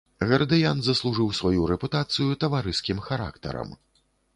Гардыян заслужыў сваю рэпутацыю таварыскім характарам.